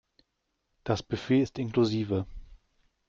Das Buffet ist inklusive.